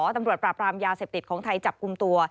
ตำรวจปราบรามยาเสพติดของไทยจับกลุ่มตัว